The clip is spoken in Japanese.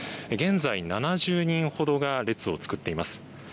現在、７０人ほどが列を作っています。